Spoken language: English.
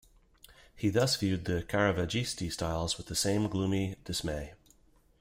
He thus viewed the "Caravaggisti" styles with the same gloomy dismay.